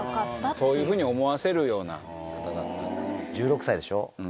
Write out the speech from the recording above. そういうふうに思わせるよう１６歳でしょ。